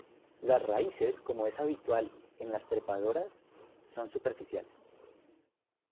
Las raíces, como es habitual en las trepadoras, son superficiales.